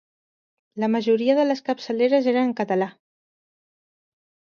La majoria de les capçaleres eren en català.